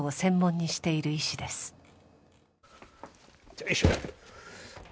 よいしょ。